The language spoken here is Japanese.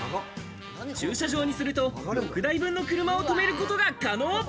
駐車場にすると、６台分の車を止めることが可能。